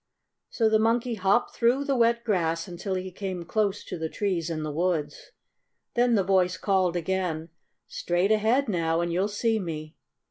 So the Monkey hopped through the wet grass until he came close to the trees in the woods. Then the voice called again: "Straight ahead now, and you'll see me!"